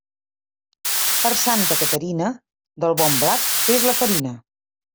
Per Santa Caterina, del bon blat fes la farina.